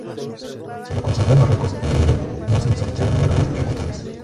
Sí lo consiguió en Marruecos y Melilla, no sin sortear numerosas dificultades.